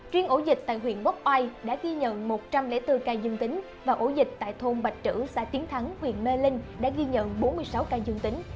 riêng ổ dịch tại huyện quốc oai đã ghi nhận một trăm linh bốn ca dương tính và ổ dịch tại thôn bạch trữ xã tiến thắng huyện mê linh đã ghi nhận bốn mươi sáu ca dương tính